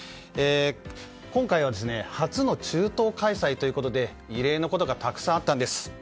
今回は初の中東開催ということで異例のことがたくさんあったんです。